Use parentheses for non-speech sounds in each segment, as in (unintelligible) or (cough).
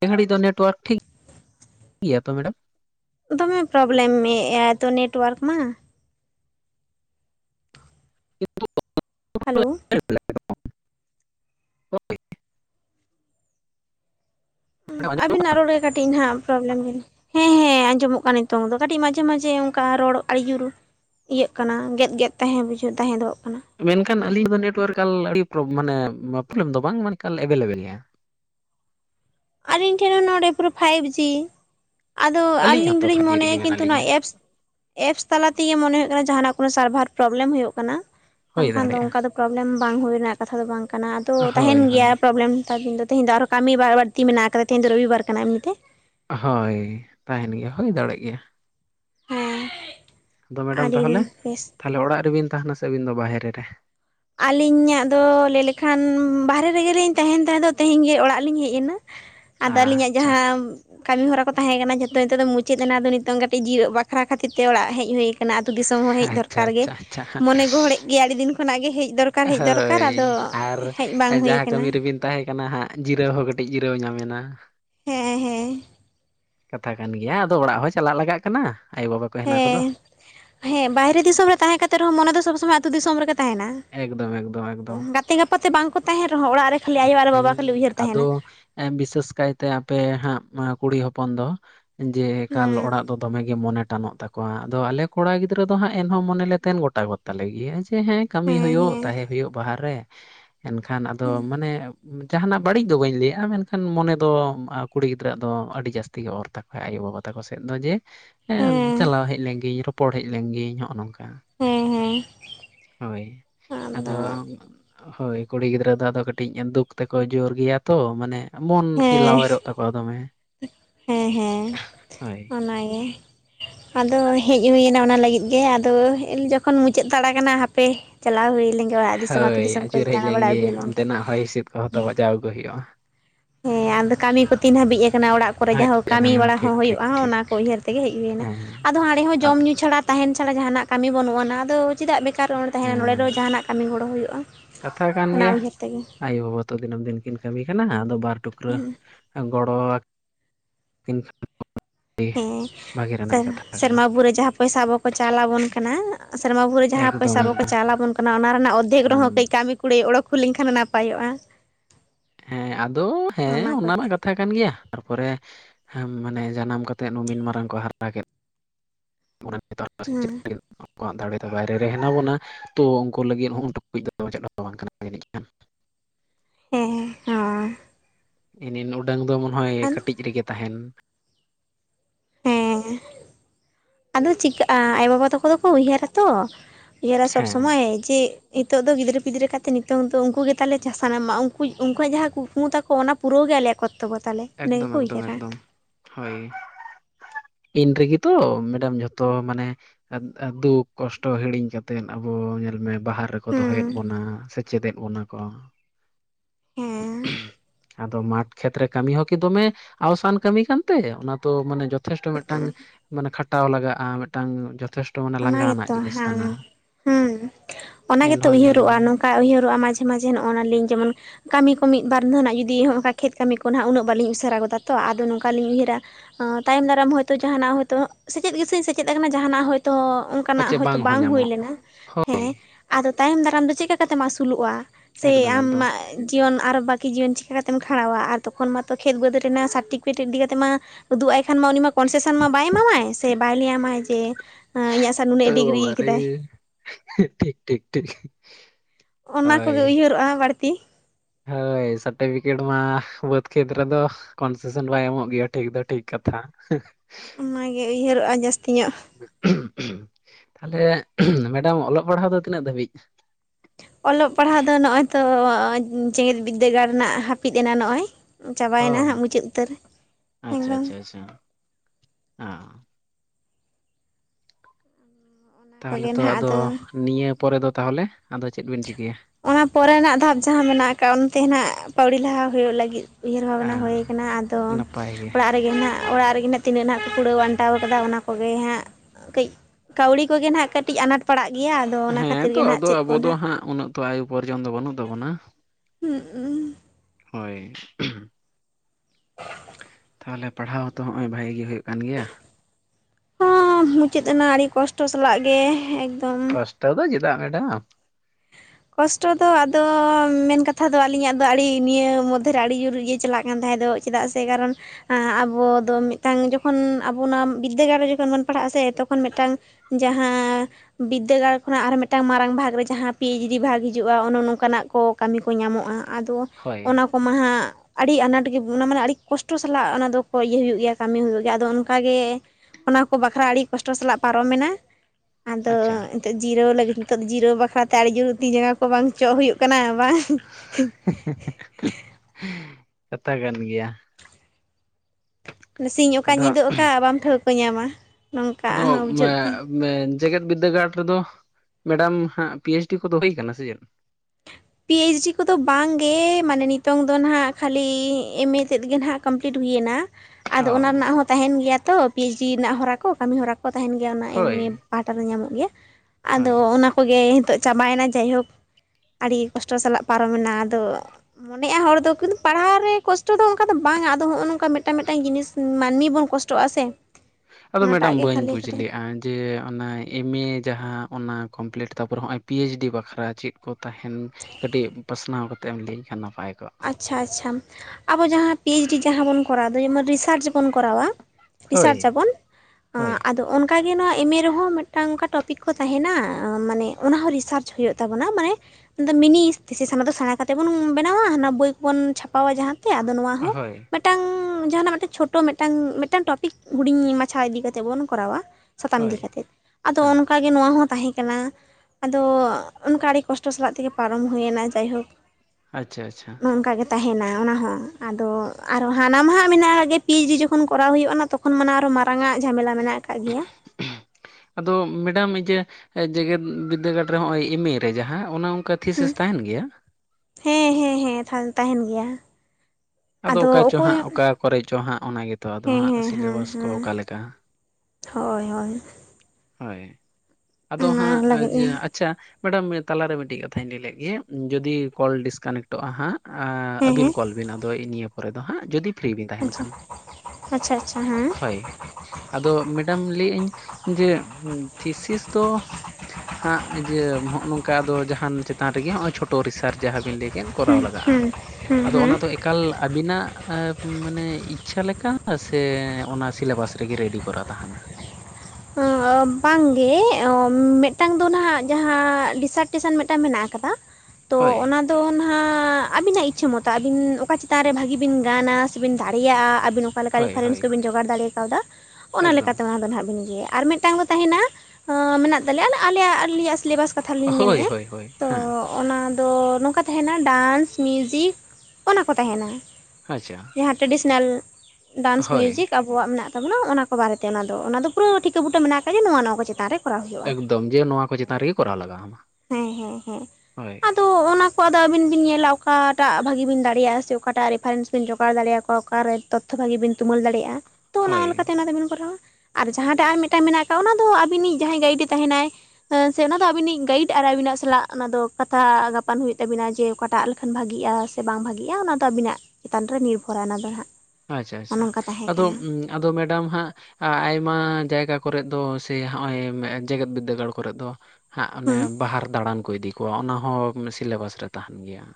ᱱᱮ ᱜᱷᱟᱹᱲᱤᱡ ᱫᱚ ᱱᱮᱴᱣᱟᱨᱠ ᱴᱷᱤᱠ ᱜᱮᱭᱟ ᱛᱚ ᱢᱮᱰᱚᱢ? ᱫᱚᱢᱮ ᱯᱨᱚᱵᱮᱞᱮᱢ ᱮᱜ ᱟᱭᱛᱚ ᱱᱮᱴᱣᱟᱨᱠ ᱢᱟ, ᱦᱮᱞᱳ (unintelligible) (unintelligible) ᱩᱸᱜ ᱟᱵᱤᱱᱟᱜ ᱨᱚᱲ ᱜᱮ ᱠᱟᱹᱴᱤᱡ ᱱᱟᱦᱟᱸᱜ ᱯᱨᱚᱵᱮᱞᱮᱢ ᱦᱮᱸ ᱦᱮᱸ ᱟᱸᱡᱚᱢᱚᱜ ᱠᱟᱱ ᱱᱤᱛᱚᱝ ᱫᱚ ᱠᱟᱹᱴᱤᱡ ᱢᱟᱡᱷᱮ ᱢᱟᱡᱷᱮ ᱚᱝᱠᱟ ᱨᱚᱲ ᱟᱹᱰᱤ ᱡᱩᱨᱩ ᱤᱭᱟᱹᱜ ᱠᱟᱱᱟ ᱜᱮᱫ ᱜᱮᱫ ᱛᱟᱦᱮᱸ ᱵᱩᱡᱷᱟᱹᱜ ᱛᱟᱦᱮᱸ ᱜᱫᱚᱜ ᱠᱟᱱᱟ᱾ ᱢᱮᱱᱠᱷᱟᱱ ᱟᱹᱞᱤᱧ ᱫᱚ ᱱᱮᱴᱳᱣᱟᱨᱠ ᱟᱞ ᱟᱹᱰᱤ ᱯᱨᱚᱵᱽ ᱢᱟᱱᱮ ᱯᱨᱚᱵᱞᱮᱢ ᱫᱚ ᱵᱟᱝ ᱢᱮᱱ ᱠᱟᱞ ᱮᱵᱮᱞᱮᱵᱮᱞ ᱜᱮᱭᱟ᱾ ᱟᱹᱞᱤᱧ ᱴᱷᱮᱱ ᱦᱚᱸ ᱱᱚᱸᱰᱮ ᱯᱩᱨᱟᱹ ᱯᱷᱟᱭᱤᱵᱽ ᱡᱤ ᱟᱫᱚ ᱟᱹᱞᱤᱧ ᱦᱚᱸᱛᱚ ᱫᱚᱞᱤᱧ ᱵᱷᱟᱹᱜᱤ ᱨᱮᱜᱮ ᱢᱚᱱᱮᱭᱟ ᱢᱮᱱᱟᱜ ᱠᱤᱱᱛᱩ ᱱᱚᱣᱟ ᱞᱤᱧᱟ ᱮᱯᱥ ᱮᱯᱥ ᱛᱟᱞᱟ ᱛᱮᱜᱮ ᱢᱚᱱᱮ ᱦᱩᱭᱩᱜ ᱠᱟᱱᱟ ᱡᱟᱦᱟᱱᱟᱜ ᱠᱳᱱᱳ ᱥᱟᱨᱵᱷᱟᱨ ᱯᱨᱚᱵᱮᱞᱮᱢ ᱦᱩᱭᱩᱜ ᱠᱟᱱᱟ ᱦᱩᱭ ᱵᱟᱝᱠᱷᱟᱱ ᱫᱚ ᱫᱟᱲᱮᱭᱟᱜᱼᱟ ᱚᱝᱠᱟ ᱫᱚ ᱯᱨᱚᱵᱮᱞᱮᱢ ᱵᱟᱝ ᱦᱩᱭ ᱨᱮᱱᱟᱜ ᱠᱟᱛᱷᱟ ᱫᱚ ᱵᱟᱝ ᱠᱟᱱᱟ ᱟᱫᱚ ᱛᱟᱦᱮᱱ ᱦᱳᱭ ᱦᱳᱭ ᱜᱮᱭᱟ ᱯᱨᱚᱵᱮᱞᱮᱢ ᱱᱮᱛᱟᱨ ᱫᱤᱱ ᱫᱚ ᱛᱤᱦᱤᱧ ᱫᱚ ᱟᱨᱦᱚᱸ ᱠᱟᱹᱢᱤ ᱵᱟᱭ ᱵᱟᱲ ᱛᱤ ᱢᱮᱱᱟᱜ ᱟᱠᱟᱫᱟ ᱛᱤᱦᱤᱧ ᱫᱚ ᱨᱚᱵᱤᱵᱟᱨ ᱠᱟᱱᱟ ᱮᱢᱱᱤ ᱛᱮ᱾ ᱦᱳᱭ ᱛᱟᱦᱮᱱ ᱜᱮᱭᱟ ᱦᱳᱭ ᱫᱟᱲᱮᱜ ᱜᱮᱭᱟ ᱾ ᱦᱮᱸ ᱟᱫᱚ ᱢᱮᱰᱚᱢ ᱟᱹᱰᱤ ᱛᱟᱞᱦᱮ ᱵᱮᱥ ᱛᱟᱞᱦᱮ ᱚᱲᱟᱜ ᱨᱮᱵᱤᱱ ᱛᱟᱦᱮᱱᱟ ᱥᱮ ᱟᱹᱵᱤᱱ ᱫᱚ ᱵᱟᱦᱮᱨᱮ ᱨᱮ? ᱟᱹᱞᱤᱧᱟᱜ ᱫᱚ ᱞᱟᱹᱭ ᱞᱮᱠᱷᱟᱱ ᱵᱟᱨᱦᱮ ᱨᱮᱜᱮ ᱞᱤᱧ ᱛᱟᱦᱮᱱ ᱛᱟᱦᱮᱸᱫ ᱫᱚ ᱛᱮᱦᱮᱧ ᱜᱮ ᱚᱲᱟᱜ ᱞᱤᱧ ᱦᱮᱡ ᱮᱱᱟ ᱾ (unintelligible) ᱟᱫᱚ ᱟᱹᱞᱤᱧᱟᱜ ᱡᱟᱦᱟᱢ ᱠᱟᱹᱢᱤ ᱦᱚᱨᱟ ᱠᱚ ᱛᱟᱦᱮᱸ ᱠᱟᱱᱟ ᱡᱷᱚᱛᱚ ᱱᱤᱛᱚᱜ ᱫᱚ ᱢᱩᱪᱟᱹᱫᱽ ᱮᱱᱟ ᱟᱫᱚ ᱱᱤᱛᱚᱝ ᱠᱟᱹᱴᱤᱡ ᱡᱤᱭᱟᱹᱜ ᱵᱟᱠᱷᱨᱟ ᱠᱷᱟᱹᱛᱤᱨ ᱛᱮ ᱚᱲᱟᱜ ᱦᱮᱡ ᱦᱩᱭ ᱠᱟᱱᱟ ᱟᱛᱩ ᱫᱤᱥᱚᱢ ᱦᱚᱸ ᱦᱮᱡ ᱟᱪᱪᱷᱟ ᱫᱚᱨᱠᱟᱨ ᱜᱮ ᱟᱪᱪᱷᱟ ᱟᱪᱪᱷᱟ ᱢᱚᱱᱮ ᱜᱚᱦᱚᱲᱮᱜ ᱜᱮᱭᱟ ᱟᱹᱰᱤ ᱫᱤᱱ ᱠᱷᱚᱱᱟᱜ ᱜᱮ ᱦᱮᱡ ᱫᱚᱨᱠᱟᱨ ᱦᱮᱡ ᱫᱚᱨᱠᱟᱨ ᱦᱟᱹᱭ ᱟᱫᱚ ᱟᱨ ᱦᱮᱡ ᱵᱟᱝ ᱦᱩᱭ ᱡᱟᱦᱟᱸ ᱟᱠᱟᱱᱟ ᱠᱟᱹᱢᱤ ᱨᱮ ᱵᱤᱱ ᱛᱟᱦᱮᱸ ᱠᱟᱱᱟ ᱦᱟᱸᱜ ᱡᱤᱨᱟᱹᱣ ᱦᱚᱸ ᱠᱟᱹᱴᱤᱡ ᱡᱤᱨᱟᱹᱣ ᱧᱟᱢ ᱮᱱᱟ᱾ ᱦᱮᱸ ᱦᱮᱸ᱾ ᱠᱟᱛᱷᱟ ᱠᱟᱱ ᱜᱮᱭᱟ ᱟᱫᱚ ᱚᱲᱟᱜ ᱦᱚᱸ ᱪᱟᱞᱟᱜ ᱞᱟᱜᱟᱜ ᱠᱟᱱᱟ ᱟᱭᱳ ᱵᱟᱵᱟ ᱠᱚ ᱦᱮᱱᱟ ᱠᱚᱫᱚ ᱦᱮᱸ ᱦᱮᱸ ᱵᱟᱦᱨᱮ ᱫᱤᱥᱚᱢ ᱨᱮ ᱛᱟᱦᱮᱸ ᱠᱟᱛᱮᱛ ᱨᱮᱦᱚᱸ ᱢᱚᱱᱮ ᱫᱚ ᱥᱚᱵᱽ ᱥᱩᱢᱚᱭ ᱟᱛᱩ ᱫᱤᱥᱚᱢ ᱨᱮᱜᱮ ᱛᱟᱦᱮᱱᱟ᱾ ᱮᱠᱫᱚᱢ ᱮᱠᱫᱚᱢ ᱮᱠᱫᱚᱢ᱾ ᱛᱮ ᱜᱟᱯᱟ ᱛᱮ ᱵᱟᱝ ᱠᱚ ᱛᱟᱦᱮᱱ ᱨᱮᱦᱚᱸ ᱚᱲᱟᱜ ᱨᱮ ᱠᱷᱟᱹᱞᱤ ᱟᱭᱳ ᱟᱨ ᱵᱟᱵᱟ ᱠᱷᱟᱹᱞᱤ ᱩᱭᱦᱟᱹᱨ ᱛᱟᱦᱮᱱᱟ᱾ ᱮ ᱵᱤᱥᱟᱹᱥ ᱠᱟᱭ ᱛᱮ ᱟᱯᱮ ᱦᱟᱸᱜ ᱟ ᱠᱩᱲᱤ ᱦᱚᱯᱚᱱ ᱫᱚ ᱡᱮ ᱮᱠᱟᱞ ᱦᱮᱸ ᱚᱲᱟᱜ ᱫᱚ ᱫᱚᱢᱮ ᱜᱮ ᱢᱚᱱᱮ ᱴᱟᱱᱚᱜ ᱛᱟ ᱠᱚᱣᱟᱜ ᱫᱚ ᱟᱞᱮ ᱠᱚᱲᱟ ᱜᱤᱫᱽᱨᱟᱹ ᱫᱚ ᱦᱟᱸᱜ ᱮᱱᱦᱚᱸ ᱢᱚᱱᱮ ᱞᱮ ᱛᱮᱱ ᱜᱚᱴᱟ ᱜᱚᱫ ᱛᱟᱞᱮ ᱜᱮᱭᱟ ᱪᱮ ᱦᱮᱸ ᱠᱟᱹᱢᱤ ᱦᱩᱭᱩᱜ ᱛᱟᱦᱮᱸ ᱦᱩᱭᱩᱜ ᱵᱟᱦᱟᱨ ᱨᱮ ᱮᱱᱠᱷᱟᱱ ᱟᱫᱚ ᱢᱟᱱᱮ ᱡᱟᱦᱟᱱᱟᱜ ᱵᱟᱹᱲᱤᱡ ᱫᱚ ᱵᱟᱹᱧ ᱞᱟᱹᱭᱟ ᱢᱮᱱᱠᱷᱟᱱ ᱢᱚᱱᱮ ᱫᱚ ᱟ ᱠᱩᱲᱤ ᱜᱤᱫᱽᱨᱟᱹᱣᱟᱜ ᱫᱚ ᱟᱹᱰᱤ ᱡᱟᱹᱥᱛᱤ ᱜᱮ ᱚᱨ ᱛᱟᱠᱚ ᱟᱭᱳᱵᱟᱵᱟ ᱛᱟᱠᱚ ᱥᱮᱜ ᱫᱚ ᱡᱮ ᱦᱮ ᱦᱮᱸ ᱪᱟᱞᱟᱣ ᱦᱮᱡ ᱞᱮᱱ ᱜᱤᱧ ᱨᱚᱯᱚᱲ ᱦᱮᱡ ᱞᱮᱱ ᱜᱤᱧ ᱦᱚᱜᱚ ᱱᱚᱝᱠᱟ᱾ ᱦᱮᱸ ᱦᱮᱸ ᱦᱳᱭ ᱟᱫᱚ ᱦᱳᱭ ᱠᱩᱲᱤ ᱜᱤᱫᱽᱨᱟᱹ ᱫᱚ ᱟᱫᱚ ᱠᱟᱴ ᱴᱤᱡ ᱫᱩᱠ ᱛᱮᱠᱚ ᱡᱳᱨ ᱜᱮᱭᱟ ᱛᱚ ᱢᱟᱱᱮ ᱢᱚᱱ ᱠᱤ ᱦᱮᱸ ᱞᱟᱣᱮᱨᱚᱜ ᱛᱟᱠᱚᱣᱟ ᱫᱚᱢᱮ ᱦᱮᱸ ᱦᱮᱸ ᱦᱳᱭ᱾ ᱚᱱᱟᱜᱮ᱾ ᱟᱫᱚ ᱦᱮᱡ ᱦᱩᱭᱱᱟ ᱚᱱᱟ ᱞᱟᱹᱜᱤᱫ ᱜᱮ ᱟᱫᱚ ᱦᱮᱡᱞᱤᱝ ᱡᱚᱠᱷᱚᱱ ᱢᱩᱪᱟᱹᱫ ᱯᱟᱲᱟ ᱠᱟᱱᱟ ᱦᱟᱯᱮ ᱪᱟᱞᱟᱣ ᱦᱩᱭ ᱞᱮᱱᱜᱮ ᱚᱲᱟᱜ ᱫᱤᱥᱚᱢ ᱟᱹᱛᱩ ᱦᱳᱭ ᱫᱤᱥᱚᱢ ᱠᱚ ᱟᱹᱪᱩᱨ ᱦᱮᱡ ᱫᱟᱬᱟ ᱵᱟᱲᱟ ᱞᱮᱱᱜᱮ ᱟᱹᱜᱩᱭ ᱚᱱᱛᱮᱱᱟᱜ ᱦᱚᱭ ᱦᱤᱸᱥᱤᱫ ᱠᱚᱦᱚᱸ ᱛᱚ ᱵᱟᱡᱟᱣ ᱟᱹᱜᱩᱭ ᱦᱩᱭᱩᱜᱼᱟ᱾ ᱦᱮᱸ ᱟᱫᱚ ᱠᱟᱹᱢᱤ ᱠᱚ ᱛᱤᱱ ᱦᱟᱹᱵᱤᱡ ᱟᱠᱟᱱᱟ ᱚᱲᱟᱜ ᱠᱚᱨᱮ ᱦᱮᱡ ᱡᱟᱦᱚᱠ ᱠᱟᱹᱢᱤ ᱟᱠᱟᱱᱟ ᱵᱟᱲᱟ ᱦᱚᱸ ᱴᱷᱤᱠ ᱴᱷᱤᱠ ᱦᱩᱭᱩᱜᱼᱟ ᱦᱚᱸ ᱚᱱᱟ ᱴᱷᱤᱠ ᱠᱚ ᱩᱭᱦᱟᱹᱨ ᱛᱮᱜᱮ ᱦᱮᱡ ᱦᱩᱭᱱᱟ ᱦᱮᱸ ᱟᱫᱚ ᱦᱟᱸᱰᱮ ᱦᱚᱸ ᱟᱫ ᱡᱚᱢ ᱧᱩ ᱪᱷᱟᱲᱟ ᱛᱟᱦᱮᱱ ᱪᱷᱟᱲᱟ ᱡᱟᱦᱟᱱᱟᱜ ᱠᱟᱹᱢᱤ ᱵᱟᱹᱱᱩᱜ ᱟᱱᱟ ᱟᱫᱚ ᱪᱮᱫᱟᱜ ᱵᱮᱪ ᱮᱠᱟᱨ ᱚᱰᱮ ᱛᱮᱦᱮᱱᱟ ᱱᱚᱸᱰᱮ ᱫᱚ ᱦᱮᱸ ᱡᱟᱦᱟᱱᱟᱜ ᱠᱟᱹᱢᱤ ᱦᱳᱲᱳ ᱦᱩᱭᱩᱜᱼᱟ ᱠᱟᱛᱷᱟ ᱠᱟᱱ ᱚᱱᱟ ᱜᱮᱭᱟ ᱩᱭᱦᱟᱹᱨ ᱛᱮᱜᱮ ᱟᱭᱳ ᱵᱟᱵᱟ ᱛᱚ ᱫᱤᱱᱟᱹᱢ ᱫᱤᱱ ᱠᱤᱱ ᱠᱟᱹᱢᱤ ᱠᱟᱱᱟ ᱟᱫᱚ ᱵᱟᱨ ᱴᱩᱠᱨᱟ ᱜᱚᱲᱚ ᱣᱟᱠ (unintelligible) ᱵᱷᱟᱹᱜᱮ ᱨᱮᱱᱟᱜ ᱦᱮᱸ ᱠᱟᱛᱷᱟ ᱠᱟᱱᱟ᱾ ᱥᱮᱨᱢᱟ ᱵᱷᱳᱨ ᱨᱮ ᱡᱟᱦᱟᱸ ᱯᱚᱭᱥᱟ ᱵᱟᱠᱚ ᱪᱟᱞᱟᱵᱚᱱ ᱠᱟᱱᱟ ᱥᱮᱨᱢᱟ ᱯᱩᱨᱤ ᱡᱟᱦᱟᱸ ᱮᱠᱫᱚᱢ ᱯᱚᱭᱥᱟ ᱵᱟᱠᱚ ᱮᱠᱫᱚᱢ ᱪᱟᱞᱟᱣᱵᱚᱱ ᱠᱟᱱᱟ ᱚᱱᱟ ᱨᱮᱱᱟᱜ ᱚᱫᱽᱫᱷᱮᱠ ᱨᱮᱦᱚᱸ ᱦᱩᱸ ᱠᱟᱹᱡ ᱠᱟᱹᱢᱤ ᱠᱩᱲᱟᱭ ᱚᱰᱳᱚᱠ ᱠᱚ ᱞᱤᱧ ᱠᱷᱟᱱ ᱱᱟᱯᱟᱭᱚᱜᱼᱟ᱾ ᱦᱮᱸ ᱟᱫᱚ ᱦᱮᱸ ᱚᱱᱟ ᱱᱟᱜᱟᱛ ᱠᱟᱛᱷᱟ ᱠᱟᱱ ᱜᱮᱭᱟ ᱛᱟᱨᱯᱚᱨᱮ ᱢᱟᱱᱮ ᱡᱟᱱᱟᱢ ᱠᱟᱛᱮᱜ ᱱᱩᱢᱤᱱ ᱢᱟᱨᱟᱝ ᱠᱚ ᱦᱟᱨᱟ ᱠᱮᱫ (inaudible) ᱦᱮᱸ (unintelligible) ᱫᱟᱲᱮ ᱫᱚ ᱵᱟᱭᱨᱮ ᱨᱮ ᱦᱮᱱᱟᱜ ᱵᱚᱱᱟ ᱛᱚ ᱩᱱᱠᱩ ᱞᱟᱹᱜᱤᱫ ᱦᱚᱸ (unintelligible) ᱦᱮᱸ ᱦᱚᱸ᱾ ᱮᱱᱤ ᱩᱰᱟᱹᱝ ᱫᱚ ᱢᱚᱱᱮ ᱦᱚᱭ ᱟᱫᱚ ᱠᱟᱹᱴᱤᱡ ᱨᱮᱜᱮ ᱛᱟᱦᱮᱱ ᱦᱮᱸ ᱟᱫᱚ ᱪᱤᱠᱟᱹᱜᱼᱟ ᱟᱭᱳᱵᱟᱵᱟ ᱛᱟᱠᱚ ᱫᱚᱠᱚ ᱩᱭᱦᱟᱹᱨᱟ ᱛᱚ ᱩᱭᱦᱟᱹᱨᱟ ᱥᱚᱵ ᱦᱮᱸ ᱥᱚᱢᱚᱭ ᱪᱮ ᱱᱤᱛᱚᱜ ᱫᱚ ᱜᱤᱫᱽᱨᱟᱹ ᱯᱤᱫᱽᱨᱟᱹ ᱠᱟᱛᱮᱜ ᱱᱤᱛᱚᱜ ᱫᱚ ᱩᱱᱠᱩ ᱜᱮᱛᱟᱞᱮ ᱪᱟᱥᱟ ᱱᱟᱢᱟ ᱩᱱᱠᱩ ᱩᱱᱠᱩᱣᱟᱜ ᱡᱟᱦᱟᱸ ᱠᱩᱠᱢᱩ ᱛᱟᱠᱚ ᱚᱱᱟ ᱯᱩᱨᱟᱹᱣ ᱜᱮ ᱟᱞᱮᱭᱟᱜ ᱠᱚᱛ ᱛᱚᱵᱚ ᱛᱟᱞᱮ ᱤᱱᱟᱹ ᱮᱠᱫᱚᱢ ᱜᱮᱠᱚ ᱮᱠᱫᱚᱢ ᱩᱭᱦᱟᱹᱨᱟ᱾ ᱮᱠᱫᱚᱢ ᱦᱳᱭ ᱤᱱ ᱨᱮᱜᱮ ᱛᱚ ᱢᱮᱰᱟᱢ ᱡᱷᱚᱛᱚ ᱢᱟᱱᱮ ᱫᱟᱛᱛᱟ ᱫᱛᱩ ᱠᱚᱥᱴᱚ ᱦᱤᱲᱤᱧ ᱠᱟᱛᱮᱱ ᱟᱵᱚ ᱧᱮᱞᱢᱮ ᱵᱟᱦᱟᱨ ᱨᱮᱠᱚ ᱫᱚᱦᱚᱭᱮᱜ ᱦᱮᱸ ᱵᱚᱱᱟ ᱥᱮ ᱪᱮᱫᱮᱫ ᱵᱚᱱᱟ ᱠᱚ ᱦᱮᱸ ᱟᱫᱚ ᱢᱟᱴᱷ ᱠᱷᱮᱛᱨᱮ ᱠᱟᱹᱢᱤ ᱦᱚᱸᱠᱤ ᱫᱚᱢᱮ ᱟᱣᱥᱟᱱ ᱠᱟᱹᱢᱤ ᱠᱟᱱᱛᱮ ᱚᱱᱟ ᱛᱚ ᱢᱟᱱᱮ ᱡᱚᱛᱷᱮᱥᱴᱚ ᱢᱤᱜᱴᱟᱝ ᱢᱟᱱᱮ ᱠᱷᱟᱴ ᱠᱟᱴᱟᱣ ᱞᱟᱜᱟᱜᱼᱟ, ᱢᱤᱫᱴᱟᱝ ᱡᱚᱛᱷᱮᱥᱴᱚ ᱢᱟᱱᱮ ᱚᱱᱟ ᱞᱟᱸᱜᱟ ᱟᱱᱟᱜ ᱜᱮᱛᱚ ᱡᱤᱱᱤᱥ ᱦᱮᱸ ᱠᱟᱱᱟ ᱦ ᱚᱱᱟ ᱜᱮᱛᱚ ᱮᱱᱦᱚᱸ ᱧᱮᱞ ᱩᱭᱦᱟᱹᱨᱚᱜᱼᱟ, ᱢᱮ ᱱᱚᱝᱠᱟ ᱵᱟᱠᱡ ᱩᱭᱟᱹᱨᱚᱜᱼᱟ ᱢᱟᱡᱷᱮ ᱢᱟᱡᱷᱮ, ᱱᱚᱜᱼᱚᱞᱤᱧ ᱡᱮᱢᱚᱱ, ᱠᱟᱹᱢᱤ ᱠᱚ ᱢᱤᱫ ᱵᱟᱨ ᱫᱣᱟᱸᱜ ᱡᱩᱫᱤ ᱱᱚᱠᱟ ᱠᱷᱮᱛ ᱠᱟᱹᱢᱤ ᱠᱚ ᱦᱟᱸᱜ ᱩᱱᱟᱹᱜ ᱵᱟᱹᱞᱤᱧ ᱩᱥᱟᱹᱨᱟ ᱜᱚᱫᱟ ᱛᱚ, ᱟᱫᱚ ᱱᱚᱝᱠᱟ ᱞᱤᱧ ᱩᱭᱦᱟᱹᱨᱟ, ᱛᱟᱭᱚᱢ ᱫᱟᱨᱟᱢ ᱦᱚᱳᱭᱛᱳ ᱡᱟᱦᱟᱱᱟᱜ ᱦᱳᱭᱛᱳ ᱥᱮᱪᱮᱫ ᱜᱮ ᱥᱧ ᱥᱮᱪᱮᱫ ᱟᱠᱟᱱᱟ ᱡᱟᱦᱟᱱᱟᱜ ᱦᱚᱳᱭᱛᱳ ᱚᱱᱠᱟᱱᱟᱜ ᱯᱟᱪᱮᱫ ᱦᱳᱭᱛᱳ ᱦᱚᱸ ᱵᱟᱝ ᱦᱩᱭ ᱧᱟᱢᱚᱜ ᱞᱮᱱᱟ ᱦᱮᱸ ᱦᱳᱭ ᱟᱫᱚ ᱛᱟᱭᱚᱢ ᱫᱟᱨᱟᱢ ᱫᱚ ᱪᱮᱫ ᱞᱮᱠᱟ ᱠᱟᱛᱮᱢ ᱟᱹᱥᱩᱞᱚᱜᱼᱟ ᱥᱮ ᱮᱠᱫᱚᱢ ᱮᱠᱫᱚᱢ ᱟᱢᱟᱜ ᱡᱤᱭᱚᱱ ᱟᱨᱚ ᱵᱠᱤ ᱡᱤᱭᱚᱱ ᱪᱤᱠᱟ ᱠᱟᱛᱮᱢ ᱠᱷᱟᱸᱰᱟᱣᱟ ᱟᱨ ᱛᱚᱠᱷᱚᱱ ᱢᱟᱛᱚ ᱠᱷᱮᱛ ᱵᱟᱹᱫᱽ ᱨᱮᱱᱟᱜ ᱥᱟᱨᱴᱤᱯᱷᱤᱠᱮᱴ ᱤᱫᱤ ᱠᱟᱛᱮᱜ ᱢᱟ ᱩᱫᱩᱜᱼ ᱟᱭ ᱠᱷᱟᱱ ᱢᱟ ᱩᱱᱤ ᱢᱟ ᱠᱚᱱᱥᱮᱥᱚᱱ ᱢᱟ ᱵᱟᱭ ᱮᱢᱟᱢᱟᱭ, ᱥᱮ ᱵᱟᱭ ᱞᱟᱹᱭᱟᱢᱟᱭ ᱡᱮ ᱤᱧᱟᱜ ᱱᱩᱱᱟᱜ ᱮ ᱰᱤᱜᱽᱤᱭ ᱠᱟᱫᱟᱭ ᱾ ᱦᱮᱸ ᱴᱷᱤᱠ ᱴᱷᱤᱠ ᱴᱷᱤᱠ ᱾ ᱚᱱᱟ ᱠᱚᱜᱮ ᱩᱭᱦᱟᱹᱨᱚᱜᱼᱟ ᱵᱟᱹᱲᱛᱤ ᱾ ᱦᱳᱭ ᱥᱟᱨᱯᱷᱤᱠᱮᱴ ᱢᱟ ᱵᱟᱹᱫᱽ ᱠᱷᱮᱛ ᱨᱮᱫᱚ ᱠᱚᱱᱥᱮᱥᱚᱱ ᱵᱟᱭ ᱮᱢᱚᱜ ᱜᱮᱭᱟ, ᱴᱷᱤᱠ ᱫᱚ ᱴᱷᱤᱠ ᱠᱟᱛᱷᱟ ᱾ ᱚᱱᱟᱜᱮ ᱩᱭᱦᱟᱹᱨᱚᱜᱼᱟ ᱡᱟᱥᱛᱤ ᱧᱚᱜ ᱾ ᱛᱟᱦᱚᱞᱮ ᱢᱮᱰᱟᱢ ᱚᱞᱚᱜ ᱯᱟᱲᱦᱟᱣ ᱫᱚ ᱛᱤᱱᱟᱹᱜ ᱫᱷᱟᱹᱵᱤᱡ? ᱚᱞᱚᱜ ᱯᱟᱲᱦᱟᱣ ᱫᱚ ᱱᱚᱜᱼᱚᱭ ᱛᱚ ᱡᱮᱜᱮᱛ ᱵᱤᱫᱽᱫᱟᱹᱜᱟᱲ ᱨᱮᱱᱟᱜ ᱦᱟᱹᱯᱤᱫ ᱮᱱᱟ ᱱᱚᱜᱼᱚᱭ ᱾ ᱚ ᱪᱟᱵᱟᱭᱮᱱᱟ ᱦᱟᱸᱜ ᱢᱩᱪᱟᱹᱫ ᱩᱛᱟᱹᱨ ᱮᱠᱫᱚᱢ ᱟᱪᱪᱷᱟ, ᱾ ᱦᱮ, ᱚᱱᱟ ᱛᱟᱦᱚᱞᱮ ᱠᱚᱜᱮ ᱛᱚ ᱱᱟᱦᱟᱜ ᱟᱫᱚ ᱱᱤᱭᱟᱹ ᱯᱚᱨᱮ ᱫᱚ ᱛᱟᱦᱚᱞᱮ, ᱟᱫᱚ ᱪᱮᱫ ᱵᱤᱱ ᱪᱤᱠᱟᱹᱭᱟ? ᱚᱱᱟ ᱯᱚᱨᱮᱱᱟᱜ ᱫᱷᱟᱯ ᱡᱟᱦᱟᱸ ᱢᱮᱱᱟᱜ ᱟᱠᱟᱫ ᱚᱱᱛᱮ ᱱᱟᱜᱷ ᱯᱟᱣᱲᱤ ᱞᱟᱦᱟ ᱦᱩᱭᱩᱜ ᱞᱟᱹᱜᱤᱫ ᱾ ᱩᱭᱦᱟᱹᱨ ᱵᱷᱟᱵᱽᱱᱟ ᱦᱩᱭ ᱟᱠᱟᱱᱟ, ᱟᱫᱚ ᱱᱟᱯᱟᱭ ᱜᱮ ᱚᱲᱟᱜ ᱨᱮᱜᱮ ᱱᱟᱜᱷ᱾ ᱚᱲᱟᱜ ᱨᱮᱜᱮ ᱱᱟᱜᱷ ᱛᱤᱱᱟᱹᱜ ᱱᱟᱜᱷ ᱠᱩᱲᱟᱹᱣ ᱟᱱᱴᱟᱣ ᱟᱠᱟᱫᱟ ᱚᱱᱟ ᱠᱚᱜᱮ ᱦᱟᱸᱜ ᱠᱟᱹᱡ ᱠᱟᱹᱣᱲᱤ ᱠᱚᱜᱮ ᱱᱟᱜᱷ ᱠᱟᱹᱴᱤᱡ ᱟᱱᱟᱴ ᱯᱟᱲᱟᱜ ᱜᱮᱭᱟ, ᱟᱫᱚ ᱚᱱᱟ ᱦᱮᱸ ᱠᱷᱟᱹᱛᱤᱨ ᱛᱚ ᱜᱮ ᱱᱟᱜᱷ ᱟᱫᱚ ᱪᱮᱫ ᱠᱚ ᱟᱵᱚ ᱫᱚ ᱱᱟᱜᱷ᱾ ᱦᱟᱸᱜ ᱩᱱᱟᱹᱜ ᱛᱚ ᱟᱭ ᱩᱯᱟᱨᱡᱚᱱ ᱫᱚ ᱵᱟᱹᱱᱩᱜ ᱛᱟᱵᱚᱱᱟ᱾ ᱦᱩᱸᱜ ᱩ᱾ ᱦᱳᱭ᱾ ᱛᱟᱦᱚᱞᱮ ᱯᱟᱲᱦᱟᱣ ᱛᱚ ᱦᱚᱸᱜᱼᱚᱭ ᱵᱷᱟᱜᱮ ᱜᱮ ᱦᱩᱭᱩᱜ ᱠᱟᱱ ᱜᱮᱭᱟ᱾ ᱦᱚᱸ ᱢᱩᱪᱟᱹᱫ ᱮᱱᱟ ᱟᱹᱰᱤ ᱠᱚᱥᱴᱚ ᱥᱟᱞᱟᱜ ᱜᱮ ᱮᱠᱫᱚᱢ ᱾ ᱠᱚᱥᱴᱚ ᱫᱚ ᱪᱮᱫᱟᱜ ᱢᱮᱰᱟᱢ᱾ ᱠᱚᱥᱴᱚ ᱫᱚ ᱟᱫᱚ ᱢᱮᱱ ᱠᱟᱛᱷᱟ ᱫᱚ ᱟᱹᱞᱤᱧᱟᱜ ᱫᱚ ᱟᱹᱰᱤ ᱱᱤᱭᱟᱹ ᱢᱚᱫᱽᱫᱷᱮᱨ ᱨᱮ ᱟᱹᱰᱤ ᱡᱳᱨ ᱤᱭᱟᱹ ᱪᱟᱞᱟᱜ ᱠᱟᱱ ᱛᱟᱦᱮᱸᱜ ᱫᱚ᱾ ᱪᱮᱫᱟᱜ ᱥᱮ ᱠᱟᱨᱚᱱ, ᱟᱵᱚ ᱫᱚ ᱢᱤᱫᱴᱟᱱ ᱡᱚᱠᱷᱚᱱ ᱟᱵᱚ ᱱᱚᱣᱟ ᱵᱤᱫᱽᱫᱟᱹᱜᱟᱲ ᱨᱮ ᱡᱚᱠᱷᱚᱱ ᱵᱚᱱ ᱯᱟᱲᱦᱟᱜᱼᱟ ᱥᱮ ᱛᱚᱠᱷᱚᱱ ᱢᱤᱫᱴᱟᱝ ᱡᱟᱦᱟᱸ ᱵᱤᱫᱽᱫᱟᱹᱜᱟᱲ ᱠᱷᱚᱱᱟᱜ ᱟᱨ ᱢᱤᱫᱴᱟᱝ ᱢᱟᱨᱟᱝ ᱵᱷᱟᱜᱽ ᱨᱮ ᱡᱟᱦᱟᱸ ᱯᱤ ᱮᱭᱤᱪ ᱰᱤ ᱡᱩᱫᱤ ᱵᱷᱟᱜᱽ ᱦᱤᱡᱩᱜᱼᱟ ᱚᱱᱮ ᱱᱚᱝᱠᱟ ᱱᱟᱜᱷ ᱠᱚ ᱠᱟᱹᱢᱤ ᱠᱚ ᱧᱟᱢᱚᱜᱼᱟ, ᱟᱫᱚ ᱦᱳᱭ ᱚᱱᱟ ᱠᱚᱢᱟ ᱦᱟᱸᱜ ᱟᱹᱰᱤ ᱟᱱᱟᱴ ᱜᱮ ᱚᱱᱟ ᱢᱟᱱᱮ ᱟᱹᱰᱤ ᱠᱚᱥᱴᱚ ᱥᱟᱞᱟᱜ ᱚᱱᱟ ᱫᱚᱠᱚ ᱤᱭᱟᱹ ᱦᱩᱭᱩᱜ ᱜᱮᱭᱟ ᱠᱟᱹᱢᱤ ᱦᱩᱭᱩᱜ ᱜᱮᱭᱟ, ᱟᱫᱚ ᱚᱱᱠᱟᱜᱮ᱾ ᱚᱱᱟ ᱠᱚ ᱵᱟᱠᱷᱨᱟ ᱟᱹᱰᱤ ᱠᱚᱥᱴᱚ ᱥᱟᱞᱟᱜ ᱯᱟᱨᱚᱢᱮᱱᱟ᱾ ᱟᱫᱚ ᱟᱪᱪᱷᱟ ᱱᱤᱛᱳᱜ ᱡᱤᱨᱟᱹᱣ ᱞᱟᱹᱜᱤᱫ ᱡᱤᱨᱟᱹᱣ ᱵᱟᱠᱷᱨᱟᱛᱮ ᱟᱹᱰᱤ ᱡᱳᱨ ᱛᱤ ᱡᱟᱸᱜᱟ ᱠᱚ ᱵᱟᱝ ᱪᱚᱜ ᱦᱩᱭᱩᱜ ᱠᱟᱱᱟ ᱵᱟᱝ᱾ ᱠᱟᱛᱷᱟ ᱠᱟᱱ ᱜᱮᱭᱟ᱾ ᱥᱤᱧ ᱚᱠᱟ ᱟᱫᱚ ᱧᱤᱫᱟᱹ ᱦᱟᱸᱜ ᱚᱠᱟ ᱵᱟᱢ ᱴᱷᱟᱹᱣᱠᱟᱹ ᱧᱟᱢᱟ᱾ ᱱᱚᱝᱠᱟ ᱟᱫᱚ᱾ ᱦᱚᱸ ᱵᱩᱡᱷᱟᱹᱜ ᱜᱮᱭᱟ ᱡᱮᱸᱜᱮᱫ ᱵᱤᱫᱽᱫᱟᱹᱜᱟᱲ ᱨᱮᱫᱚ ᱢᱮᱰᱟᱢ ᱦᱟᱸᱜ ᱯᱤ ᱮᱭᱤᱪ ᱰᱤ ᱠᱚᱫᱚ ᱦᱩᱭ ᱠᱟᱱᱟ ᱥᱮ ᱪᱮᱫ? ᱯᱤ ᱮᱭᱤᱪ ᱰᱤ ᱠᱚᱫᱚ ᱵᱟᱝᱜᱮ ᱢᱟᱱᱮ ᱱᱤᱛᱚᱝ ᱫᱚ ᱱᱟᱜᱷ ᱠᱷᱟᱹᱞᱤ ᱮᱢ ᱮ ᱛᱮᱫ ᱜᱮ ᱱᱟᱜᱷ ᱠᱚᱢᱯᱞᱤᱴ ᱦᱩᱭᱮᱱᱟ ᱾ ᱟᱫᱚ ᱚ ᱚᱱᱟ ᱨᱮᱱᱟᱜ ᱦᱚᱸ ᱛᱟᱸᱦᱮᱱ ᱜᱮᱭᱟ ᱛᱚ ᱯᱤ ᱮᱭᱤᱪ ᱰᱤ ᱨᱮᱱᱟᱜ ᱦᱚᱨᱟ ᱠᱚ ᱠᱟᱹᱢᱤᱦᱚᱨᱟ ᱠᱚ ᱛᱟᱸᱦᱮᱱ ᱜᱮᱭᱟ ᱚᱱᱟ ᱮᱢ ᱦᱳᱭ ᱮ ᱯᱟᱦᱴᱟ ᱨᱮ ᱧᱟᱢᱚᱜ ᱜᱮᱭᱟ ᱟᱫᱚ ᱦᱳᱭ ᱚᱱᱟ ᱠᱚᱜᱮ ᱦᱤᱛᱚᱜ ᱪᱟᱵᱟᱭᱮᱱᱟ ᱡᱟᱭᱦᱳᱠ ᱾ ᱟᱹᱰᱤ ᱠᱚᱥᱴᱚ ᱥᱟᱞᱟᱜ ᱯᱟᱨᱚᱢᱮᱱᱟ ᱟᱫᱚ ᱢᱚᱱᱮᱜᱼᱟ ᱦᱚᱲ ᱫᱚ ᱠᱤᱱᱛᱩ ᱯᱟᱲᱦᱟᱣ ᱨᱮ ᱠᱚᱥᱴᱚ ᱫᱚ ᱚᱱᱠᱟ ᱫᱚ ᱵᱟᱝᱼᱟ ᱟᱫᱚ ᱱᱚᱜᱼᱚ ᱱᱚᱝᱠᱟ ᱢᱤᱫᱴᱟᱝ ᱢᱤᱫᱴᱟᱝ ᱡᱤᱱᱤᱥ ᱢᱟᱹᱱᱢᱤ ᱵᱚᱱ ᱠᱚᱥ ᱠᱚᱥᱴᱚᱜ-ᱟ ᱥᱮ ᱾ ᱟᱫᱚ ᱢᱮᱰᱟᱢ ᱵᱟᱹᱧ ᱵᱩᱡᱽ ᱞᱮᱜᱼᱟ ᱾ ᱡᱮ ᱚᱱᱟ ᱮᱢ ᱮ ᱡᱟᱦᱟᱸ ᱚᱱᱟ ᱠᱚᱢᱯᱞᱤᱴ ᱛᱟᱯᱚᱨᱮ ᱦᱚᱸᱜᱼᱚᱭ ᱯᱤᱭ ᱮᱭᱤᱪ ᱰᱤ ᱵᱟᱠᱷᱨᱟ ᱪᱮᱫ ᱠᱚ ᱛᱟᱸᱦᱮᱱ ᱠᱟᱹᱴᱤᱡ ᱯᱟᱥᱱᱟᱣ ᱠᱟᱛᱮᱫ ᱮᱢ ᱞᱟᱹᱭ ᱞᱮᱠᱷᱟᱱ ᱱᱟᱯᱟᱭ ᱠᱚᱜᱼᱟ ᱾ ᱟᱪᱪᱷᱟ ᱟᱪᱪᱷᱟ ᱟᱵᱚ ᱡᱟᱦᱟᱸ ᱯᱤ ᱮᱭᱤᱪ ᱰᱤ ᱡᱟᱦᱟᱸ ᱵᱚᱱ ᱠᱚᱨᱟᱣᱫᱟ ᱡᱮᱢᱚᱱ ᱨᱤᱥᱟᱨᱪ ᱵᱚᱱ ᱠᱚᱨᱟᱣᱟ ᱾ ᱦᱳᱭ ᱨᱤᱥᱟᱨᱪ ᱟᱵᱚᱱ ᱦᱳᱭ ᱟᱫᱚ ᱚᱱ ᱚᱱᱠᱟ ᱜᱮ ᱱᱚᱣᱟ ᱮᱢ ᱮ ᱨᱮᱦᱚᱸ ᱢᱤᱫᱴᱟᱝ ᱚᱱᱠᱟ ᱴᱚᱯᱤᱠ ᱠᱚ ᱛᱟᱸᱦᱮᱱᱟ ᱢᱟᱱᱮ ᱚᱱᱟ ᱦᱚᱸ ᱨᱤᱥᱟᱨᱪ ᱦᱩᱭᱩᱜ ᱛᱟᱵᱚᱱᱟ ᱾ ᱢᱟᱱᱮ ᱢᱤᱱᱤ ᱤᱥᱛᱷᱤᱥᱤᱥ ᱚᱱᱟ ᱫᱚ ᱥᱮᱬᱟ ᱠᱟᱛᱮ ᱵᱚᱱ ᱵᱮᱱᱟᱣᱟ ᱦᱟᱱᱟ ᱵᱳᱭ ᱠᱚᱵᱚᱱ ᱪᱷᱟᱯᱟᱣᱟ ᱡᱟᱦᱟᱸ ᱛᱮ ᱟᱫᱚ ᱱᱚᱣᱟ ᱦᱚᱸ ᱦᱳᱭ ᱴᱟᱝ ᱡᱟᱦᱟᱸᱱᱟᱜ ᱢᱤᱫᱴᱟᱝ ᱪᱷᱳᱴᱳ ᱢᱮᱫᱴᱟᱝ ᱢᱤᱫᱴᱟᱝ ᱴᱚᱯᱤᱠ ᱦᱩᱰᱤᱧ ᱢᱟᱪᱷᱟ ᱤᱫᱤ ᱠᱟᱛᱮ ᱵᱚᱱ ᱠᱚᱨᱟᱣᱟ ᱾ ᱥᱟᱛᱟᱢ ᱤᱫᱤ ᱦᱳᱭ ᱠᱟᱛᱮᱫ ᱟᱫᱚ ᱦᱮᱸ ᱚᱱᱠᱟ ᱜᱮ ᱱᱚᱣᱟ ᱦᱚᱸ ᱛᱟᱦᱮᱸ ᱠᱟᱱᱟ ᱟᱫᱚ ᱚᱱᱠᱟ ᱟᱹᱰᱤ ᱠᱚᱥᱴᱚ ᱥᱟᱞᱟᱜ ᱛᱮᱜᱮ ᱯᱟᱨᱚᱢ ᱦᱩᱭᱱᱟ ᱡᱟᱭᱦᱳᱠ ᱾ ᱟᱪᱪᱷᱟ ᱟᱪᱪᱷᱟ ᱾ ᱚᱱᱠᱟ ᱜᱮ ᱛᱟᱸᱦᱮᱱᱟ ᱚᱱᱟ ᱦᱚᱸ ᱟᱫᱚ ᱟᱨᱚ ᱦᱟᱱᱟ ᱢᱟᱦᱟᱜ ᱢᱮᱱᱟᱜ ᱠᱟᱜ-ᱜᱮ, ᱯᱤ ᱮᱭᱤᱪ ᱰᱤ ᱡᱚᱠᱷᱚᱱ ᱠᱚᱨᱟᱣ ᱦᱩᱭᱩᱜᱼᱟ ᱱᱟᱜ ᱛᱚᱠᱷᱚᱱ ᱛᱚᱠᱷᱚᱱ ᱢᱟ ᱱᱟᱸᱜ ᱟᱨᱚ ᱢᱟᱨᱟᱝ ᱟᱜ ᱡᱷᱟᱢᱮᱞᱟ ᱢᱮᱱᱟᱜ ᱟᱠᱟᱫ ᱜᱮᱭᱟ ᱾ (unintelligible) ᱟᱫᱚ ᱢᱮᱰᱟᱢ ᱤᱡᱟᱹ ᱡᱮᱸᱜᱮᱫ ᱵᱤᱫᱽᱫᱟᱹᱜᱟᱲ ᱨᱮ ᱱᱚᱜᱼᱚᱭ ᱮᱢ ᱮ ᱨᱮ ᱡᱟᱦᱟᱸ ᱚᱱᱟ ᱚᱱᱠᱟ ᱦᱩᱸ ᱛᱷᱤᱥᱤᱥ ᱛᱟᱸᱦᱮᱱ ᱜᱮᱭᱟ? ᱦᱮᱸ ᱦᱮᱸ ᱦᱮᱸ ᱛᱟᱸᱦᱮᱱ ᱜᱮᱭᱟ ᱾ ᱟᱫᱚ ᱚᱠᱟ ᱪᱚ ᱦᱟᱸᱜ ᱚᱠᱟ ᱠᱚᱨᱮ ᱪᱚ ᱦᱟᱸᱜ ᱚᱱᱟ ᱜᱮᱛᱚ ᱟᱫᱚ ᱦᱮᱸ ᱦᱟᱸᱜ ᱦᱮᱸ ᱦᱮᱸ ᱥᱤᱞᱮᱵᱟᱥ ᱠᱚ ᱦᱮᱸ ᱚᱠᱟᱞᱮᱠᱟ? ᱦᱳᱭ ᱦᱳᱭ ᱾ ᱦᱳᱭ, ᱟᱫᱚ ᱦᱟᱸᱜ ᱞᱟᱹᱜᱤᱫ ᱡᱮ ᱜᱮ ᱟᱡ ᱟᱪᱪᱷᱟ ᱢᱮᱰᱟᱢ ᱛᱟᱞᱟᱨᱮ ᱢᱤᱴᱤᱡ ᱠᱟᱛᱷᱟᱧ ᱞᱟᱹᱭ ᱞᱮᱫ ᱜᱮ ᱡᱩᱫᱤ ᱠᱚᱞ ᱰᱤᱥᱠᱟᱱᱮᱠᱴᱚᱜ-ᱟ ᱦᱟᱸᱜ ᱟᱻ ᱦᱮᱸ ᱟᱹᱵᱤᱱ ᱦᱮᱸ ᱠᱚᱞ ᱵᱤᱱ ᱟᱫᱚ ᱤᱱᱤᱭᱟᱹ ᱯᱚᱨᱮ ᱫᱚ ᱦᱟᱸᱜ ᱡᱩᱫᱤ ᱯᱷᱨᱤ ᱵᱤᱱ ᱛᱟᱦᱮᱱ ᱟᱪᱪᱷᱟ ᱠᱷᱟᱱ ᱟᱪᱪᱷᱟ ᱟᱪᱪᱷᱟ ᱦᱮᱸ ᱦᱳᱭ ᱾ ᱟᱫᱚ ᱢᱮᱰᱟᱢ ᱞᱟᱹᱭᱮᱜ-ᱟᱹᱧ ᱡᱮ ᱛᱷᱤᱥᱤᱥ ᱫᱚ ᱦᱟᱸᱜ ᱤᱡᱟᱹ ᱦᱚᱜ-ᱚ ᱱᱚᱝᱠᱟ ᱟᱫᱚ ᱡᱟᱦᱟᱱ ᱪᱮᱛᱟᱱ ᱨᱮᱜᱮ ᱦᱚᱜ-ᱚᱭ ᱪᱷᱚᱴᱳ ᱨᱤᱥᱟᱨᱪ ᱡᱟᱦᱟᱸ ᱵᱤᱱ ᱞᱟᱹᱭ ᱠᱮᱫ ᱠᱚᱨᱟᱣ ᱦᱮᱸ ᱞᱟᱜᱟᱜ-ᱟ, ᱦᱮᱸ ᱦᱮᱸ ᱟᱫᱚ ᱦᱮᱸ ᱚᱱᱟ ᱫᱚ ᱮᱠᱟᱞ ᱟᱵᱤᱱᱟᱜ ᱢᱟᱱᱮ ᱤᱪᱪᱷᱟᱹ ᱞᱮᱠᱟ ᱥᱮ ᱚᱱᱟ ᱥᱤᱞᱮᱵᱟᱥ ᱨᱮ ᱜᱮ ᱨᱮᱰᱤ ᱠᱚᱨᱟ ᱛᱟᱦᱮᱱᱟ? ᱦᱩᱸ ᱚ ᱵᱟᱝ ᱜᱮ ᱢᱮᱫᱴᱟᱝ ᱫᱚ ᱱᱟᱦᱟᱜ ᱡᱟᱦᱟᱸ ᱰᱤᱥᱟᱨᱴᱮᱥᱮᱱ ᱢᱮᱫᱴᱮᱝ ᱢᱮᱱᱟᱜ ᱟᱠᱟᱫᱟ, (unintelligible) ᱛᱚ ᱚᱱᱟ ᱫᱚ ᱱᱟᱦᱜ ᱟᱹᱵᱤᱱᱟᱜ ᱤᱪᱪᱷᱟᱹ ᱢᱚᱛᱚ ᱟᱹᱵᱤᱱ ᱚᱠᱟ ᱪᱮᱛᱟᱱ ᱨᱮ ᱵᱷᱟᱹᱜᱤ ᱵᱤᱱ ᱜᱟᱱᱟ ᱥᱮ ᱵᱤᱱ ᱫᱟᱲᱮᱭᱟᱜ-ᱟ ᱟᱹᱵᱤᱱ ᱚᱠᱟ ᱞᱮᱠᱟ ᱦᱳᱭ ᱦᱳᱭ ᱨᱮᱤᱯᱷᱟᱨᱮᱱᱥ ᱠᱚ ᱵᱤᱱ ᱡᱚᱜᱟᱲ ᱫᱟᱲᱮ ᱠᱟᱣᱫᱟ ᱚᱱᱟ ᱮᱠᱫᱚᱢ ᱞᱮᱠᱟᱛᱮ ᱚᱱᱟ ᱫᱚ ᱱᱟᱸᱦᱜ ᱵᱤᱱ ᱟᱨ ᱢᱮᱫᱴᱟᱝ ᱫᱚ ᱛᱟᱦᱮᱸᱱᱟ, ᱢᱮᱱᱟᱜ ᱛᱟᱞᱮᱭᱟ ᱟᱞ ᱟᱞᱮᱭᱟᱜ ᱟᱞᱮᱭᱟᱜ ᱥᱤᱞᱮᱵᱟᱥ ᱠᱟᱛᱷᱟ ᱞᱤᱧ ᱦᱳᱭ ᱢᱮᱱᱮᱜ-ᱟ ᱦᱳᱭ ᱦᱳᱭ ᱾ ᱛᱚ ᱦᱮᱸ ᱚᱱᱟ ᱫᱚ ᱱᱚᱝᱠᱟ ᱛᱟᱦᱮᱱᱟ ᱰᱟᱱᱥ, ᱢᱤᱭᱩᱡᱤᱠ ᱚᱱᱟ ᱠᱚ ᱛᱟᱦᱮᱱᱟ ᱾ ᱟᱪᱪᱷᱟ ᱾ ᱡᱟᱦᱟᱸ ᱴᱨᱮᱰᱤᱥᱮᱱᱟᱞ ᱰᱟᱱᱥ ᱢᱤᱭᱩᱡᱤᱠ ᱟᱵᱚᱣᱟᱜ ᱢᱮᱱᱟᱜ ᱛᱟᱵᱚᱱᱟ ᱚᱱᱟ ᱠᱚ ᱵᱟᱨᱮ ᱛᱮ ᱚᱱᱟ ᱫᱚ ᱾ ᱚᱱᱟ ᱫᱚ ᱯᱩᱨᱟᱹᱣ ᱴᱷᱤᱠᱟᱹ ᱵᱩᱴᱟᱹ ᱢᱮᱱᱟᱜ ᱟᱠᱟᱜ-ᱟ ᱡᱮ ᱱᱚᱣᱟ ᱱᱚᱣᱟ ᱠᱚ ᱪᱮᱛᱟᱱ ᱨᱮ ᱠᱚᱨᱟᱣ ᱦᱩᱭᱩᱜᱼᱟ ᱮᱠᱫᱚᱢ ᱡᱮ, ᱱᱚᱣᱟ ᱠᱚ ᱪᱮᱛᱟᱱ ᱨᱮ ᱜᱮ ᱠᱚᱨᱟᱣ ᱞᱟᱜᱟᱣᱢᱟ ᱦᱮᱸ ᱦᱮᱸ ᱦᱮᱸ ᱦᱳᱭ ᱾ ᱟᱫᱚ ᱚᱱᱟ ᱠᱚ ᱟᱫᱚ ᱟᱹᱵᱤᱱ ᱵᱤᱱ ᱧᱮᱞᱟ ᱚᱠᱟᱴᱟᱜ ᱵᱷᱟᱜᱤ ᱵᱤᱱ ᱫᱟᱲᱮᱭᱟᱜ-ᱟ ᱥᱮ, ᱚᱠᱟᱴᱟᱜ ᱨᱮᱯᱷᱟᱨᱮᱱᱥ ᱵᱤᱱ ᱡᱚᱜᱟᱲ ᱫᱟᱲᱮᱭᱟ ᱠᱚᱣᱟ ᱚᱠᱟ ᱨᱮ ᱾ ᱛᱚᱛᱛᱷᱚ ᱵᱷᱟᱹᱜᱤ ᱵᱤᱱ ᱛᱩᱢᱟᱹᱞ ᱫᱟᱲᱮᱭᱟᱜ-ᱟ ᱾ ᱛᱚ ᱚᱱᱟ ᱦᱳᱭ ᱚᱞ ᱠᱟᱛᱮ ᱛᱮ ᱚᱱᱟ ᱫᱚᱵᱤᱱ ᱠᱚᱨᱟᱣᱟ ᱾ ᱟᱨ ᱡᱟᱦᱟᱸ ᱴᱷᱮᱜ ᱟᱨ ᱢᱮᱜᱴᱟᱡ ᱢᱮᱱᱟᱜ ᱟᱠᱟᱜ, ᱚᱱᱟ ᱫᱚ ᱟᱹᱵᱤᱱᱤᱡ ᱡᱟᱦᱟᱸᱭ ᱜᱟᱭᱤᱰᱮ ᱛᱟᱦᱮᱸᱱᱟᱭ ᱥᱮ ᱚᱱᱟ ᱫᱚ ᱟᱹᱵᱤᱱᱤᱡ ᱜᱟᱭᱤᱰ ᱟᱨ ᱟᱹᱵᱤᱱᱟᱜ ᱥᱟᱞᱟᱜ ᱚᱱᱟ ᱫᱚ ᱠᱟᱛᱷᱟ ᱜᱟᱯᱟᱱ ᱦᱩᱭᱩᱜ ᱛᱟᱹᱵᱤᱱᱟ᱾ ᱡᱮ ᱚᱠᱟᱴᱟᱜ ᱞᱮᱠᱷᱟᱱ ᱵᱷᱟᱹᱜᱤᱜ-ᱟ, ᱥᱮ ᱵᱟᱝ ᱵᱷᱟᱜᱤᱜ-ᱟ ᱾ ᱚᱱᱟ ᱫᱚ ᱟᱵᱤᱱᱟᱜ ᱪᱮᱛᱟᱱ ᱨᱮ ᱱᱤᱨᱵᱷᱚᱨᱟ ᱚᱱᱟ ᱫᱚ ᱦᱟᱸᱜ᱾ ᱟᱪᱪᱷᱟ ᱚᱱᱮ ᱟᱪᱪᱷᱟ ᱚᱱᱠᱟ ᱛᱟᱦᱮᱸ ᱾ ᱟᱫᱚ ᱠᱟᱱᱟ ᱟᱫᱚ ᱢᱮᱰᱟᱢ ᱦᱟᱸᱜ ᱟᱭᱢᱟ ᱡᱟᱭᱜᱟ ᱠᱚ ᱨᱮᱜ ᱫᱚ ᱥᱮ, ᱦᱚᱸᱜ-ᱚᱭ ᱡᱮᱜᱮᱫ ᱵᱤᱫᱽᱫᱟᱹᱜᱟᱲ ᱠᱚ ᱨᱮ ᱫᱚ ᱾ ᱦᱟᱸᱜ ᱚᱱᱮ ᱦᱩᱸ ᱵᱟᱦᱟᱨ ᱫᱟᱲᱟᱱ ᱠᱚ ᱤᱫᱤ ᱠᱚᱣᱟ, ᱚᱱᱟ ᱦᱚᱸ ᱥᱤᱞᱮᱵᱟᱥ ᱨᱮ ᱛᱟᱦᱮᱱ ᱜᱮᱭᱟ᱾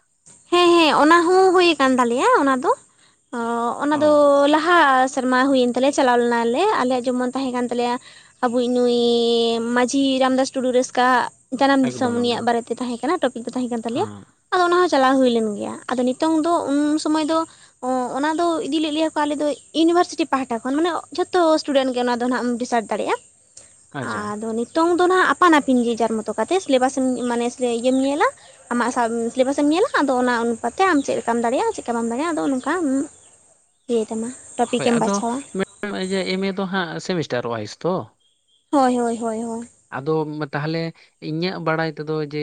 ᱦᱮᱸ ᱦᱮᱸ ᱚᱱᱟ ᱦᱚᱸ ᱦᱩᱭ ᱠᱟᱱ ᱛᱟᱞᱮᱭᱟ᱾ ᱚᱱᱟ ᱫᱚ, ᱚᱱᱟ ᱚ ᱫᱚ ᱞᱟᱦᱟ ᱥ ᱥᱮᱨᱢᱟ ᱦᱩᱭᱮᱱ ᱛᱟᱞᱮᱭᱟ ᱪᱟᱞᱟᱣ ᱞᱮᱱᱟᱞᱮ, ᱟᱞᱮ ᱡᱮᱢᱚᱱ ᱛᱟᱦᱮᱸ ᱠᱟᱱ ᱛᱟᱞᱮᱭᱟ ᱾ ᱟᱵᱚᱭᱤᱡ ᱱᱩᱭ ᱢᱟᱺᱡᱷᱤ ᱨᱟᱢᱫᱟᱥ ᱴᱩᱰᱩ ᱨᱟᱹᱥᱠᱟ ᱟᱸᱜ ᱡᱟᱱᱟᱢ ᱫᱤᱥᱚᱢ ᱮᱠᱫᱚᱢ ᱩᱱᱤᱭᱟᱜ ᱮᱠᱫᱚᱢ ᱵᱟᱨᱮ ᱛᱮ ᱛᱟᱦᱮᱸ ᱠᱟᱱᱟ᱾ ᱴᱚᱯᱤᱠ ᱫᱚ ᱛᱟᱦᱮᱸ ᱠᱟᱱ ᱛᱟᱞᱮᱭᱟ ᱦᱮᱸ ᱾ᱟᱫᱚ ᱚᱱᱟ ᱦᱚᱸ ᱪᱟᱞᱟᱣ ᱦᱩᱭ ᱞᱮᱱ ᱜᱮᱭᱟ᱾ ᱟᱫᱚ ᱱᱤᱛᱚᱝ ᱫᱚ ᱩᱱ ᱥᱩᱢᱟᱭ ᱫᱚ ᱚᱱᱟ ᱫᱚ ᱤᱫᱤ ᱞᱮᱜ ᱞᱮᱭᱟ ᱠᱚ ᱟᱞᱮ ᱫᱚ ᱤᱭᱩᱱᱤᱵᱷᱟᱨᱥᱤᱴᱤ ᱯᱟᱦᱴᱟ ᱠᱷᱚᱱ ᱾ ᱢᱟᱱᱮ ᱡᱷᱚᱛᱚ ᱥᱴᱩᱰᱮᱱᱴ ᱜᱮ ᱚᱱᱟ ᱫᱚ ᱦᱟᱸᱜ ᱫᱟᱲᱮᱭᱟᱜ-ᱟ ᱟᱪᱪᱷᱟ ᱟᱫᱚ ᱱᱤᱛ ᱛᱚᱝ ᱫᱚ ᱱᱟᱦᱟᱜ ᱟᱯᱟᱱ ᱟᱹᱯᱤᱱ ᱡᱮᱡᱟᱨ ᱢᱚᱛᱚ ᱠᱟᱛᱮᱜ, ᱥᱤᱞᱮᱵᱟᱥᱮᱢ ᱢᱟᱱᱮ ᱤᱭᱟᱹᱢ ᱧᱮᱞᱟ ᱾ ᱟᱢᱟ ᱥᱟᱢ ᱥᱤᱞᱮᱵᱟᱥᱮᱢ ᱧᱮᱞᱟ᱾ ᱟᱫᱚ ᱚᱱᱟ ᱚᱱᱩᱯᱟᱛᱮ, ᱟᱢ ᱪᱮᱜ ᱞᱮᱠᱟᱢ ᱫᱟᱲᱮᱭᱟᱜ-ᱟ ᱪᱮᱜᱠᱟ ᱵᱟᱢ ᱫᱟᱲᱮᱭᱟᱜ-ᱟ ᱟᱫᱚ ᱱᱚᱝᱠᱟᱢ ᱤᱭᱟᱹᱭ ᱛᱟᱢᱟ᱾ ᱦᱳᱭ ᱴᱚᱯᱤᱠᱮᱢ ᱟᱫᱚ ᱵᱟᱪᱷᱟᱣᱟ ᱢᱮᱰᱟᱢ ᱤᱭᱟᱹ ᱮ ᱢᱮ ᱫᱚ ᱦᱟᱸᱜ ᱥᱮᱢᱤᱥᱴᱟᱨ ᱚᱣᱟᱭᱤᱥ ᱛᱚ ᱾ ᱦᱳᱭ ᱦᱳᱭ ᱦᱳᱭ ᱦᱳᱭ ᱾ ᱟᱫᱚᱢ ᱛᱟᱦᱞᱮ ᱤᱧᱟᱹᱜ ᱵᱟᱲᱟᱭ ᱛᱮ ᱫᱚ ᱡᱮ,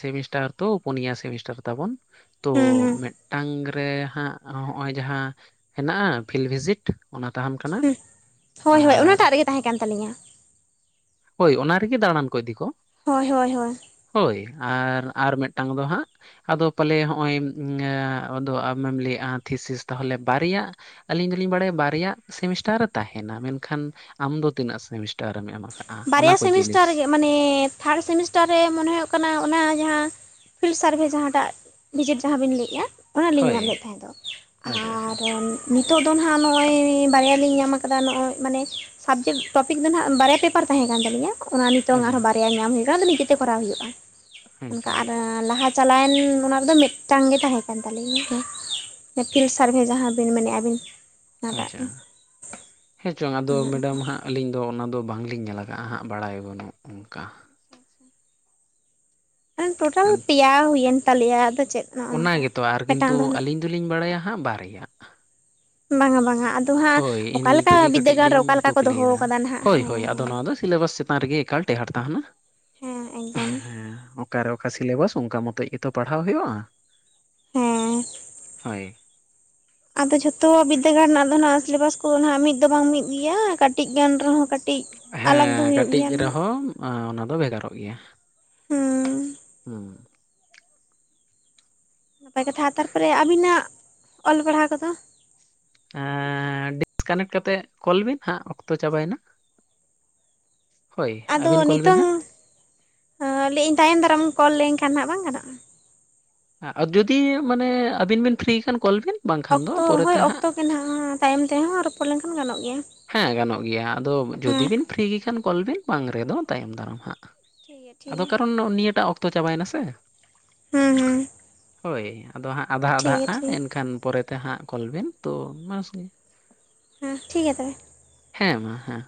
ᱥᱮᱢᱤᱥᱴᱟᱨ ᱛᱚ ᱯᱩᱱᱭᱟ ᱥᱮᱢᱤᱥᱴᱟᱨ ᱛᱟᱵᱚᱱ ᱾ ᱛᱳ ᱦᱩᱸ ᱦᱩᱸ ᱢᱮᱜᱴᱟᱝ ᱜᱟ ᱨᱮ ᱦᱟᱸᱜ ᱦᱚᱸ ᱦᱚᱸᱜ-ᱚᱭ ᱡᱟᱦᱟᱸ ᱦᱮᱱᱟᱜ-ᱟ, ᱯᱷᱤᱞᱵᱷᱤᱡᱤᱰ᱾ ᱚᱱᱟ ᱛᱟᱦᱟᱱ ᱠᱟᱱᱟ᱾ ᱦᱩᱸ ᱦᱳᱭ ᱦᱳᱭ ᱟᱨ ᱚᱱᱟᱴᱟᱜ ᱨᱮᱜᱮ ᱛᱟᱦᱮᱸ ᱠᱟᱱ ᱛᱟᱹᱞᱤᱧᱟ᱾ ᱦᱳᱭ ᱚᱱᱟ ᱨᱮ ᱜᱮ, ᱫᱟᱲᱟᱱ ᱠᱚ ᱤᱫᱤ ᱠᱚ ᱾ ᱦᱳᱭ ᱦᱳᱭ ᱦᱳᱭ᱾ ᱦᱳᱭ, ᱟᱨ ᱟᱨ ᱢᱮᱜᱴᱟᱝ ᱫᱚ ᱦᱟᱸᱜ ᱟᱫᱚ ᱯᱟᱞᱮ ᱦᱚᱸᱜᱼᱚᱭ ᱟᱫᱚ ᱟᱢᱮᱢ ᱞᱟᱹᱭᱮᱜᱼᱟ, ᱛᱷᱤᱥᱤᱥ ᱛᱟᱦᱚᱞᱮ ᱵᱟᱨᱭᱟ ᱟᱹᱞᱤᱧ ᱫᱚᱞᱤᱧ ᱵᱟᱲᱟᱭᱟ ᱵᱟᱨᱭᱟ ᱥᱮᱢᱤᱥᱴᱟᱨᱮ ᱛᱟᱦᱮᱱᱟ᱾ ᱢᱮᱱᱠᱷᱟᱱ ᱟᱢ ᱫᱚ ᱛᱤᱱᱟᱹᱜ ᱥᱮᱢᱤᱥᱴᱟᱨᱮᱢ ᱮᱢ ᱟᱠᱟᱫᱟ᱾ ᱵᱟᱨᱭᱟ ᱥᱮᱢᱤᱥᱴᱟᱨᱜᱮ ᱢᱟᱱᱮ, ᱛᱷᱟᱨᱰ ᱥᱮᱢᱤᱥᱴᱟᱨ ᱨᱮ ᱢᱚᱱᱮ ᱦᱩᱭᱩᱜ ᱠᱟᱱᱟ ᱚᱱᱟ ᱡᱟᱦᱟᱸ ᱯᱷᱤᱞᱰ ᱥᱟᱨᱵᱷᱮ ᱡᱟᱦᱟᱸᱴᱟᱜ, ᱵᱷᱤᱡᱤᱴ ᱡᱟᱦᱟᱸ ᱵᱤᱱ ᱞᱟᱹᱭᱮᱜᱼᱟ᱾ ᱚᱱᱟᱞᱤᱧ ᱦᱳᱭ ᱧᱟᱢ ᱞᱮᱫ ᱛᱟᱦᱮᱸ ᱛᱚ᱾ ᱟᱪᱪᱷᱟ ᱟᱪᱪᱷᱟ ᱟᱨ ᱱᱤᱛᱚᱜ ᱫᱚ ᱱᱟᱦᱟᱜ ᱱᱚᱜᱼᱚᱭ ᱵᱟᱨᱭᱟ ᱞᱤᱧ ᱧᱟᱢ ᱟᱠᱟᱫᱟ᱾ ᱱᱚᱜᱼᱚᱭ ᱢᱟᱱᱮ ᱥᱟᱵᱽᱡᱮᱠᱴ ᱴᱚᱯᱤᱠ ᱫᱚ ᱱᱟᱦᱟᱜ ᱵᱟᱨᱭᱟ ᱯᱮ ᱯᱟᱨ ᱛᱟᱦᱮᱸ ᱠᱟᱱ ᱛᱟᱹᱞᱤᱧᱟᱹ᱾ ᱚᱱᱟ ᱱᱤᱛᱚᱝ ᱟᱪᱪᱷᱟ ᱟᱨᱦᱚᱸ ᱵᱟᱨᱭᱟ ᱧᱟᱢ ᱦᱩᱭ ᱠᱟᱱᱟ, ᱟᱫᱚ ᱱᱤᱡᱮᱛᱮ ᱠᱚᱨᱟᱣ ᱦᱩᱭᱩᱜᱼᱟ᱾ ᱦᱮᱸ ᱚᱱᱠᱟ ᱪᱚᱝ ᱟᱨ ᱞᱟᱦᱟ ᱪᱟᱞᱟᱣᱮᱱ ᱚᱱᱟ ᱨᱮᱫᱚ ᱢᱤᱫᱴᱟᱝ ᱜᱮ ᱛᱟᱦᱮᱸ ᱠᱟᱱ ᱛᱟᱞᱤᱧᱟ ᱟᱹᱯᱤᱞ ᱥᱟᱨᱵᱷᱮ ᱡᱟᱦᱟᱸ ᱵᱤᱱ ᱢᱮᱱᱮᱫᱼᱟ ᱟᱹᱵᱤᱱ ᱾ ᱟᱪᱪᱷᱟ ᱾ ᱦᱮᱸ ᱪᱚᱝ ᱟᱫᱚ ᱚᱱᱮ ᱚᱱᱠᱟ ᱢᱮᱰᱟᱢ ᱦᱟᱸᱜ ᱟᱹᱞᱤᱧ ᱫᱚ ᱚᱱᱟ ᱫᱚ ᱵᱟᱝᱞᱤᱧ ᱧᱮᱞ ᱟᱠᱟᱜᱼᱟ ᱦᱟᱸᱜ, ᱵᱟᱲᱟᱭ ᱵᱟᱹᱱᱩᱜ ᱚᱱᱠᱟ᱾ ᱴᱳᱴᱟᱞ ᱯᱮᱭᱟ ᱦᱩᱭᱮᱱ ᱛᱟᱞᱮᱭᱟ ᱟᱫᱚ ᱪᱮᱫ? ᱱᱚᱜᱼᱚ ᱚᱱᱟ ᱱᱚᱝᱠᱟ ᱜᱮᱛᱚ ᱟᱨ ᱢᱤᱫᱴᱟᱝ ᱠᱤᱱᱛᱩ, ᱫᱚ ᱱᱟᱜ ᱟᱹᱞᱤᱧ ᱫᱚᱞᱤᱧ ᱵᱟᱲᱟᱭᱟ ᱦᱟᱸᱜ ᱵᱟᱨᱭᱟ ᱾ ᱵᱟᱝᱼᱟ ᱵᱟᱝᱼᱟ᱾ ᱟᱫᱚ ᱦᱟᱸᱜ ᱤᱱ ᱚᱠᱟᱞᱮᱠᱟ ᱨᱮᱜᱮ ᱠᱟᱹᱴᱤᱡ ᱵᱤᱫᱽᱫᱟᱹᱜᱟᱲ ᱨᱮ ᱚᱠᱟ ᱞᱤᱧ ᱞᱮᱠᱟ ᱠᱚ ᱫᱚᱦᱚ ᱟᱠᱟᱫᱟ ᱠᱩᱠᱞᱤᱭᱮᱫᱟ ᱱᱟᱦᱟᱜ ᱦᱳᱭ ᱦᱮᱸ ᱦᱳᱭ ᱟᱫᱚ ᱦᱮᱸ᱾ ᱱᱚᱣᱟ ᱫᱚ ᱥᱤᱞᱮᱵᱟᱥ ᱪᱮᱛᱟᱱ ᱨᱮᱜᱮ ᱮᱠᱟ ᱴᱮᱦᱟᱴ ᱛᱟᱦᱮᱱᱟ ᱾ ᱦᱮᱸ ᱮᱠᱫᱚᱢ ᱦᱮᱸ ᱚᱠᱟᱨᱮ ᱚᱠᱟ ᱥᱤᱞᱮᱵᱟᱥ, ᱚᱱᱠᱟ ᱢᱚᱛᱚᱡ ᱜᱮᱛᱚ ᱯᱟᱲᱦᱟᱣ ᱦᱩᱭᱩᱜᱼᱟ ᱾ ᱦᱮᱸ ᱦᱳᱭ ᱟᱫᱚ ᱡᱷᱚᱛᱚᱣᱟᱜ ᱵᱤᱫᱽᱫᱟᱹᱜᱟᱲ ᱨᱮᱱᱟᱜ ᱫᱚ, ᱱᱟᱦᱟᱜ ᱥᱤᱞᱮᱵᱟᱥ ᱠᱚᱼᱫᱚ ᱱᱟᱜ, ᱢᱤᱫ ᱫᱚ ᱵᱟᱝ ᱢᱤᱫ ᱜᱮᱭᱟ᱾ ᱠᱟᱹᱴᱤᱡ ᱜᱟᱱ ᱨᱮᱦᱚᱸ ᱠᱟ ᱦᱮᱸ ᱠᱟᱹᱴᱤᱡ ᱨᱮ ᱦᱚᱸ ᱚᱱᱟ ᱫᱚ ᱵᱷᱮᱜᱟᱨᱚᱜ ᱜᱮᱭᱟ ᱾ ᱦᱮᱸ ᱦᱩᱸ ᱱᱟᱯᱟᱭ ᱠᱟᱛᱷᱟ, ᱛᱟᱨᱯᱚᱨᱮ ᱟᱵᱤᱱᱟᱜ ᱚᱞ ᱯᱟᱲᱦᱟᱣ ᱠᱚᱫᱚ? ᱟ ᱰᱤᱥ ᱠᱟᱱᱮᱠᱴ ᱠᱟᱛᱮᱫ ᱠᱚᱞ ᱵᱤᱱ, ᱦᱟᱸᱜ ᱚᱠᱛᱚ ᱪᱟᱵᱟᱭᱮᱱᱟ᱾ ᱦᱳᱭ ᱟᱹᱵᱤᱱ ᱠᱚᱞ ᱵᱤᱱ ᱦᱟᱸᱜ ᱚ ᱞᱟᱹᱭᱤᱧ ᱛᱟᱭᱚᱢ ᱫᱟᱨᱟᱢ ᱠᱚᱞ ᱞᱮᱱᱠᱷᱟᱱ, ᱦᱟᱸᱜ ᱵᱟᱝ ᱜᱟᱱᱚᱜᱼᱟ? ᱟᱨ ᱡᱩᱫᱤ ᱢᱟᱱᱮ ᱟᱹᱵᱤᱱ ᱵᱤᱱ ᱯᱷᱨᱤᱤ ᱠᱷᱟᱱ ᱠᱚᱞ ᱵᱤᱱ? ᱵᱟᱝᱠᱷᱟᱱ ᱫᱚ ᱚᱠᱛᱚ ᱦᱳᱭ ᱯᱚᱨᱮᱛᱮ ᱦᱟᱸᱜ ᱚᱠᱛᱚ ᱜᱮ ᱱᱟᱦᱟᱜ, ᱛᱟᱭᱚᱢ ᱛᱮᱦᱚᱸ ᱨᱚᱯᱚᱲ ᱞᱮᱱᱠᱷᱟᱱ ᱜᱟᱱᱚᱜ ᱜᱮᱭ-ᱟ᱾ ᱦᱮᱸ ᱜᱟᱱᱚᱜ ᱜᱮᱭᱟ, ᱟᱫᱚ ᱦᱮᱸ ᱡᱩᱫᱤ ᱵᱤᱱ ᱯᱷᱨᱤ ᱜᱮ ᱠᱷᱟᱱ ᱠᱚᱞ ᱵᱤᱱ ᱾ ᱵᱟᱝ ᱨᱮᱫᱚ ᱛᱟᱭᱚᱢ ᱫᱟᱨᱟᱢ ᱦᱟᱸᱜ ᱴᱷᱤᱠ ᱜᱮᱭᱟ ᱴᱷᱤᱠ ᱟᱫᱚ ᱜᱮᱭᱟ ᱠᱟᱨᱚᱱ ᱱᱤᱭᱟᱹᱴᱟᱜ ᱚᱠᱛᱚ ᱪᱟᱵᱟᱭᱱᱟ ᱥᱮ ᱾ ᱦᱩᱸ ᱦᱩᱸ ᱾ ᱦᱳᱭ ᱟᱫᱚ ᱦᱟᱸᱜ ᱟᱫᱽᱷᱟ - ᱟᱫᱽᱟᱜᱼᱟ᱾ ᱴᱷᱤᱠ ᱜᱮᱭᱟ ᱮᱱᱠᱷᱟᱱ ᱯᱚᱨᱮᱛᱮ ᱦᱟᱸᱜ ᱠᱚᱞ ᱵᱤᱱ, ᱛᱚ ᱢᱟᱥ ᱜᱮ ᱦᱮᱸ ᱴᱷᱤᱠ ᱜᱮᱭᱟ ᱛᱚᱵᱮ᱾ ᱦᱮᱸ ᱢᱟ ᱦᱮᱸ